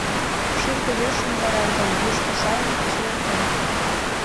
Шӱргӧ йӧршын тарай гай, йӱштӧ сайын чевертен.